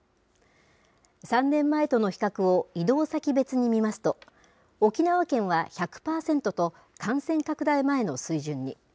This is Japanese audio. ３年前との比較を移動先別に見ますと、沖縄県は１００％と、感染拡大前の水準に。